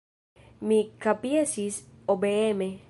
Mi kapjesis obeeme.